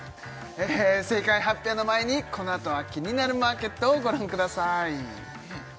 正解発表の前にこのあとは「キニナルマーケット」をご覧ください